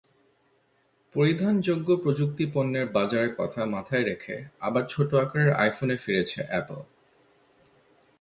পরিধানযোগ্য প্রযুক্তিপণ্যের বাজারের কথা মাথায় রেখে আবার ছোট আকারের আইফোনে ফিরেছে অ্যাপল।